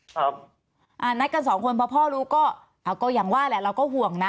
อ่านัดกันสองคนพอพ่อรู้ก็อ่าก็อย่างว่าแหละเราก็ห่วงนะ